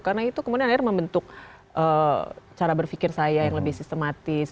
karena itu kemudian akhirnya membentuk cara berpikir saya yang lebih sistematis